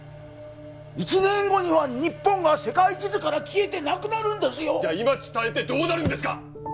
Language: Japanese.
１年後には日本が世界地図から消えてなくなるんですよじゃあ今伝えてどうなるんですか？